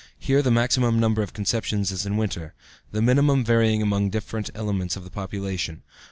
Here the maximum number of conceptions is in winter, the minimum varying among different elements of the population.